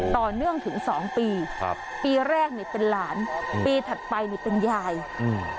ต่อเนื่องถึงสองปีครับปีแรกนี่เป็นหลานปีถัดไปนี่เป็นยายอืม